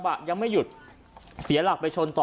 ก็แค่มีเรื่องเดียวให้มันพอแค่นี้เถอะ